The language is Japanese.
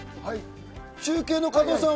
中継の加藤さん？